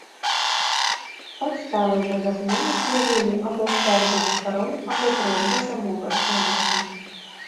Падставай жа да змены служылі або скаргі жыхароў, або просьба самога старасты.